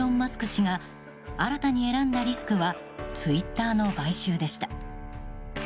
氏が新たに選んだリスクはツイッターの買収でした。